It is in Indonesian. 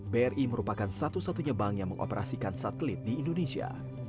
bri merupakan satu satunya bank yang mengoperasikan satelit di indonesia